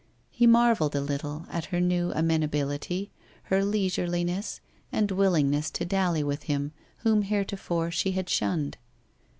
He marvelled a little at her new amenability, her leisureliness and willing ness to dally with him whom heretofore she had shunned.